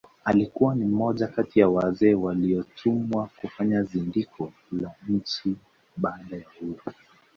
Alikuwa ni mmoja kati ya wazee waliotumwa kufanya zindiko la nchi baada ya uhuru